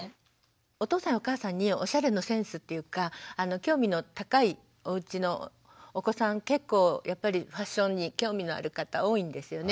お父さんやお母さんにおしゃれのセンスっていうか興味の高いおうちのお子さん結構やっぱりファッションに興味のある方多いんですよね